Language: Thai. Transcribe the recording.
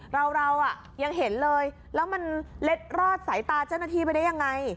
เรายังเห็นเลยแล้วมันเล็ดรอดสายตาเจ้าหน้าที่ไปได้ยังไง